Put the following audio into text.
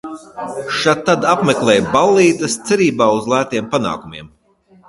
Šad tad apmeklēju ballītes cerībā uz lētiem panākumiem.